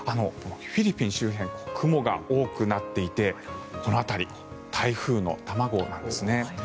フィリピン周辺雲が多くなっていてこの辺り、台風の卵なんですね。